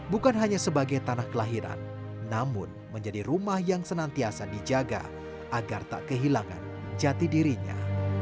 bukan hanya sebagai tanah kelahiran namun menjadi rumah yang senantiasa dijaga agar tak kehilangan jati dirinya